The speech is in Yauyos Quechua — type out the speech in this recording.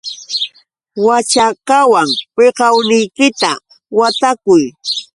Waćhakawan wiqawniykita watakuy.